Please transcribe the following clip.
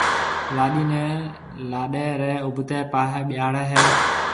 لاڏِي نيَ لاڏَي رَي اُڀتيَ پاسَي ٻيھاڙَي ھيََََ